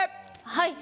はい。